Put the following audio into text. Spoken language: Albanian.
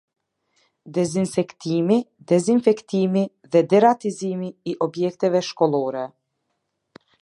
Dezinsektimi, dezinfektimi dhe deratizimii Objekteve Shkollore